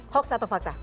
hoax atau fakta